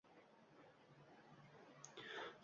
Xullas, etti pushti be`mani odamlar